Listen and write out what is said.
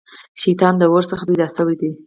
شيطان د اور څخه پيدا سوی دی